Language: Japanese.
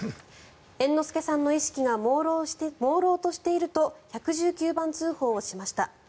猿之助さんの意識がもうろうとしていると１１９番通報をしました。